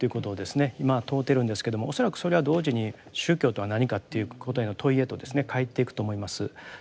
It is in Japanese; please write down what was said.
今問うてるんですけども恐らくそれは同時に宗教とは何かということへの問いへとかえっていくと思います。